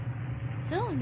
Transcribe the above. そうね